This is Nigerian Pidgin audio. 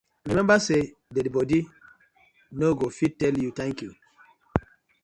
Remmeber say dead bodi no go fit tell yu tank yu.